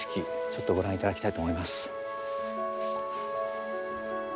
ちょっとご覧いただきたいと思います。